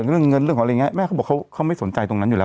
เรื่องเงินเรื่องของอะไรอย่างนี้แม่เขาบอกเขาไม่สนใจตรงนั้นอยู่แล้ว